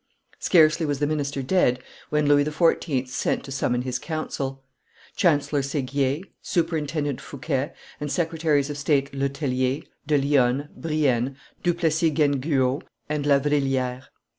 Scarcely was the minister dead, when Louis XIV. sent to summon his council: Chancellor Seguier, Superintendent Fouquet, and Secretaries of State Le Tellier, de Lionne, Brienne, Duplessis Gueneguaud, and La Vrilliere.